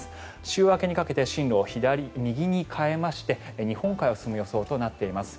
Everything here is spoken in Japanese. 週明けにかけて進路を右に変えまして日本海を進む予想となっています。